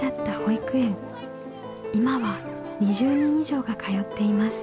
今は２０人以上が通っています。